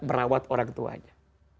merawat orang tuanya